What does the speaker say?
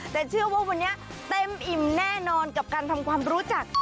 แต่เชื่อว่าวันนี้เต็มอิ่มแน่นอนกับการทำความรู้จัก